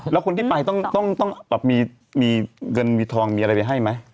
แล้วคนที่ไปต้องต้องต้องต้องแบบมีเงินมีทองมีอะไรไปให้ไหม